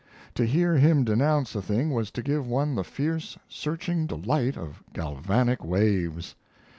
To hear him denounce a thing was to give one the fierce, searching delight of galvanic waves.